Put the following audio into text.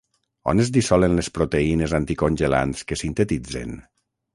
On es dissolen les proteïnes anticongelants que sintetitzen?